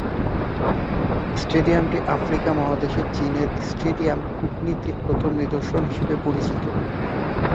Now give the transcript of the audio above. স্টেডিয়ামটি Africa মহাদেশে চীনের 'stadium' কূটনীতির প্রথম নিদর্শন হিসেবে পরিচিত।